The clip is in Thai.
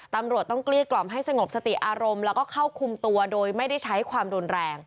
ตำรวจต้องเกลี้ยกล่อมให้สงบสติอารมณ์แล้วก็เข้าคุมตัวโดยไม่ได้ใช้ความรุนแรง